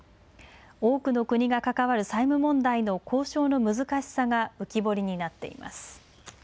多くの国が関わる債務問題の交渉の難しさが浮き彫りになっています。